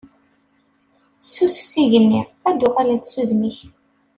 Ssusef s igenni, ad d-uɣalent s udem-ik.